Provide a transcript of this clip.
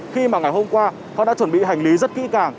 khi mà ngày hôm qua họ đã chuẩn bị hành lý rất kỹ càng